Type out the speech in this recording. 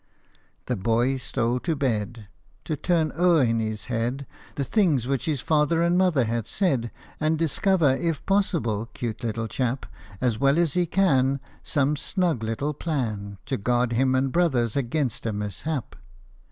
The boy stole to bed, To turn o'er in his head The things which his father and mother had said, And discover, if possible, 'cute little chap ! As well as he can, Some snug little plan To guard him and brothers against a mishap.